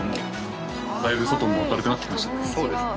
そうですね。